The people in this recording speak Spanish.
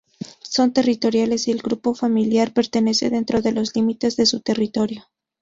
Son territoriales y el grupo familiar permanece dentro de los límites de su territorio.